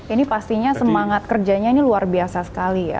ini pastinya semangat kerjanya ini luar biasa sekali ya